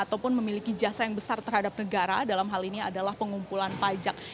ataupun memiliki jasa yang besar terhadap negara dalam hal ini adalah pengumpulan pajak